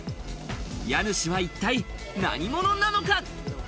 家主は一体何者なのか？